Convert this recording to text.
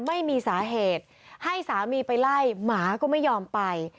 ไม่มีสาเหตุให้สามีไปไล่หมาก็ไม่ยอมไป